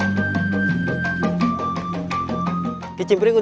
saya ngantar kici pring dulu